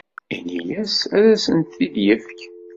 Ini-as ad asen-t-id-yefk.